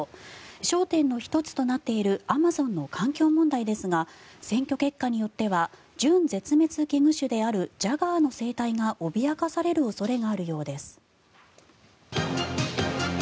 焦点の１つとなっているアマゾンの環境問題ですが選挙結果によっては準絶滅危惧種であるジャガーの生態が脅かされる恐れがあるようです。